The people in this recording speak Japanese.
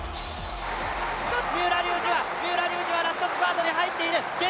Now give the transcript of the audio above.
三浦龍司はラストスパートに入っている！